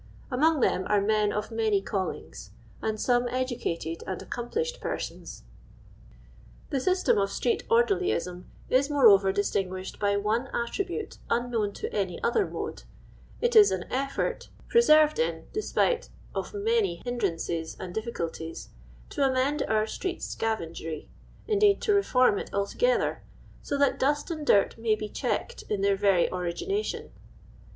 Among them arc men of many callings, and some educated and accomplished persons. The system of street orderlyism is, moreover, distinguished by one attribute unknown to any other mode ; it is an effort, perserered in, despite of many hindnncei and difficulties, to amend oar street acavengery, indeed to refonn it altogether ; so that dust and dirt may be checked in their very origination.